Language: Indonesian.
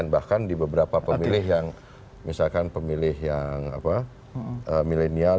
bahkan di beberapa pemilih yang misalkan pemilih yang milenial